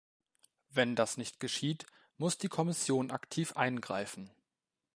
Wenn das nicht geschieht, muss die Kommission aktiv eingreifen.